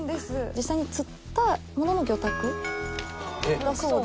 実際に釣ったものの魚拓だそうで。